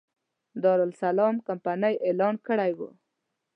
دارالسلام کمپنۍ اعلان کړی و.